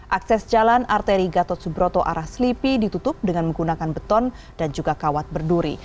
akses jalan arteri gatot subroto arah selipi ditutup dengan menggunakan beton dan juga kawat berduri